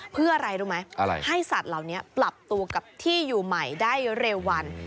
เพื่ออะไรรู้ไหมอะไรให้สัตว์เหล่านี้ปรับตัวกับที่อยู่ใหม่ได้เร็ววัน